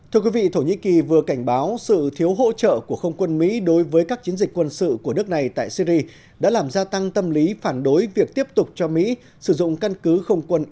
thưa quý vị thổ nhĩ kỳ vừa cảnh báo sự thiếu hỗ trợ của không quân mỹ đối với các chiến dịch quân sự của nước này tại syri đã làm gia tăng tâm lý phản đối việc tiếp tục cho mỹ sử dụng căn cứ không quân is